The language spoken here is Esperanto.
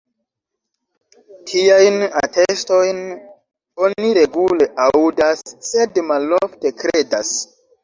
Tiajn atestojn oni regule aŭdas sed malofte kredas.